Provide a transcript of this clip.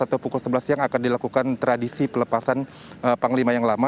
atau pukul sebelas siang akan dilakukan tradisi pelepasan panglima yang lama